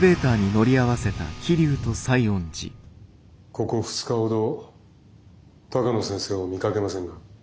ここ２日ほど鷹野先生を見かけませんが。